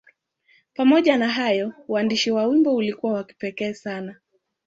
Pamoja na hayo, uandishi wa wimbo ulikuwa wa kipekee sana.